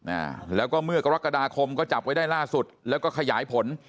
อ่าแล้วก็เมื่อกรกฎาคมก็จับไว้ได้ล่าสุดแล้วก็ขยายผล